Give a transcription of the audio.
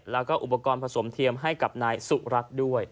แล้วก็อุปกรณ์ผสมเทียมให้กับนายสุรัตน์ด้วย